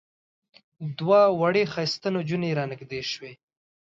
دوه وړې ښایسته نجونې را نږدې شوې.